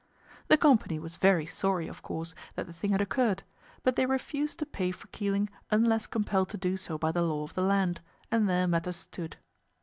The company was very sorry, of course, that the thing had occurred; but they refused to pay for Keeling unless compelled to do so by the law of the land, and there matters stood.